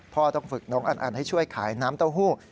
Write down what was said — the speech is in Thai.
ต้องฝึกน้องอันอันให้ช่วยขายน้ำเต้าหู้